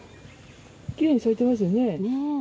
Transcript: きれいに咲いていますよね。